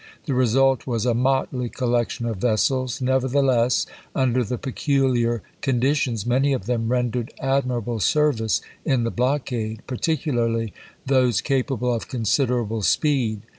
The result was a motley collection of vessels; nevertheless, under the peculiar conditions, many of them rendered admirable service in the blockade, particularly those capable of considerable speed.